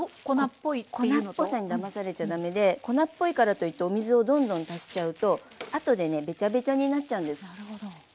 粉っぽさにだまされちゃ駄目で粉っぽいからといってお水をどんどん足しちゃうとあとでねべちゃべちゃになっちゃうんです。